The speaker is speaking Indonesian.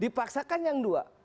dipaksakan yang dua